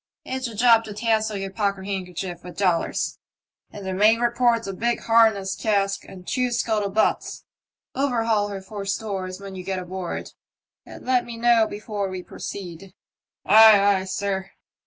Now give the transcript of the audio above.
" It's a job to tassel your pockethandkerchief with dollars, and the mate reports a big harness cask and two scuttle butts. Overhaul her for stores when ye get aboard, and let me know before we proceed." *'Ay, ay, sir."